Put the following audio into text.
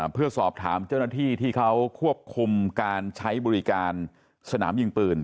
เพื่อสอบถามเจ้าหน้าที่ที่เขาควบคุมการใช้บริการสนามยิงปืน